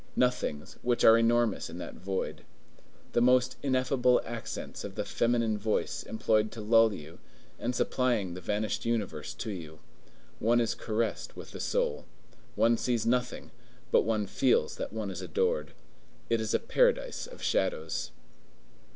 Nothings, which are enormous in that void. The most ineffable accents of the feminine voice employed to lull you, and supplying the vanished universe to you. One is caressed with the soul. One sees nothing, but one feels that one is adored. It is a paradise of shadows.